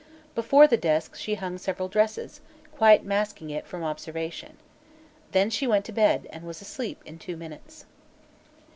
Before the desk she hung several dresses, quite masking it from observation. Then she went to bed and was asleep in two minutes.